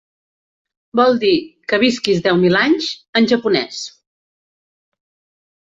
Vol dir “que visquis deu mil anys” en japonès.